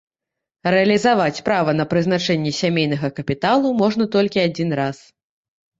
Рэалізаваць права на прызначэнне сямейнага капіталу можна толькі адзін раз.